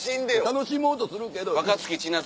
楽しもうとするけど。